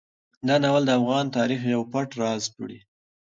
دا ناول د افغان تاریخ یو پټ راز سپړي.